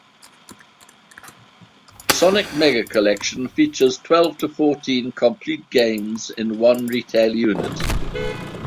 "Sonic Mega Collection" features twelve to fourteen complete games in one retail unit.